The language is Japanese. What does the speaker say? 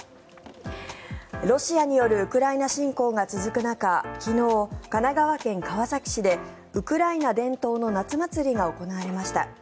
ロシアによるウクライナ侵攻が続く中、昨日神奈川県川崎市でウクライナ伝統の夏祭りが行われました。